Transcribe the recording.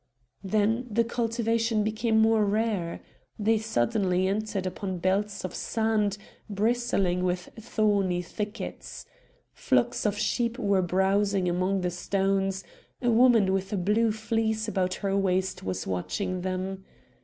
Then the cultivation became more rare. They suddenly entered upon belts of sand bristling with thorny thickets. Flocks of sheep were browsing among the stones; a woman with a blue fleece about her waist was watching them.